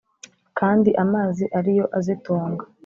kandi amazi ari yo azitunga.